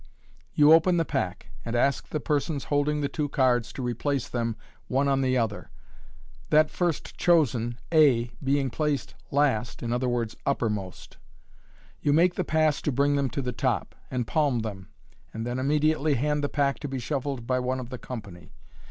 You open the pack, and ask the persons holding the two cards to replace them one on the other; that first chosen, a, being placed last — i.e.t uppermost. You make the pass to bring them to the top, and palm them, and then immediately hand the pack to be shuffled by one of the company.